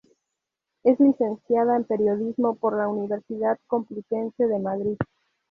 Es Licenciada en Periodismo por la Universidad Complutense de Madrid.